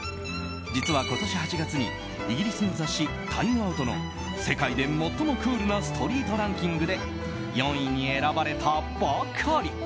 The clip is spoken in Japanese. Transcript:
実は今年８月にイギリスの雑誌「タイムアウト」の世界で最もクールなストリートランキングで４位に選ばれたばかり。